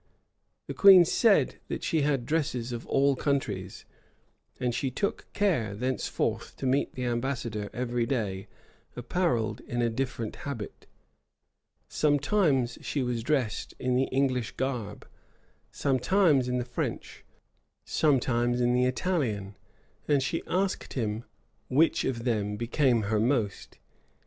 The queen said, that she had dresses of all countries; and she took care thenceforth to meet the ambassador every day apparelled in a different habit: sometimes she was dressed in the English garb, sometimes in the French, sometimes in the Italian; and she asked him which of them became her most.